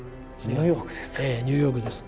ニューヨークですか？